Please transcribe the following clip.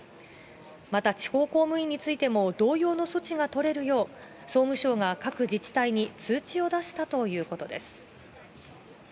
また地方公務員についても、同様の措置が取れるよう、総務省が各自治体に、通知を出したということです。